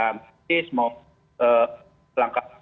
praktis mau langkah